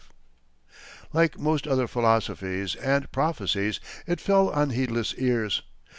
Like most other philosophies and prophecies, it fell on heedless ears.